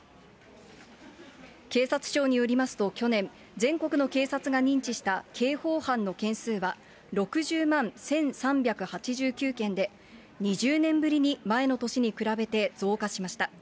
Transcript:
警察庁によりますと去年、全国の警察が認知した刑法犯の件数は、６０万１３８９件で、２０年ぶりに前の年に比べて増加しました。